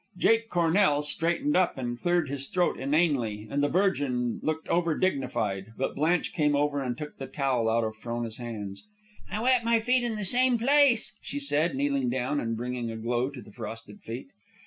Jake Cornell straightened up and cleared his throat inanely, and the Virgin looked over dignified; but Blanche came over and took the towel out of Frona's hands. "I wet my feet in the same place," she said, kneeling down and bringing a glow to the frosted feet.